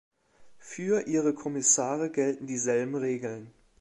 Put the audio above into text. Für Ihre Kommissare gelten dieselben Regeln.